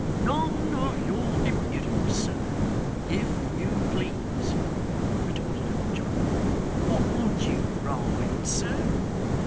'None of your impudence, sir, if you please,' retorted old John. 'What would you ride, sir?